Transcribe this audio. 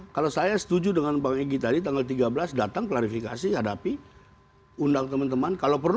kalau saya setuju dengan bang egy tadi tanggal tiga belas datang klarifikasi hadapi undang teman teman